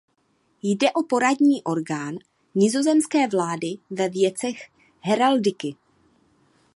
Jde o poradní orgán nizozemské vlády ve věcech heraldiky.